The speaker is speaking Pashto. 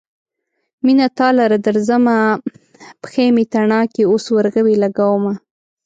مينه تا لره درځمه : پښې مې تڼاکې اوس ورغوي لګومه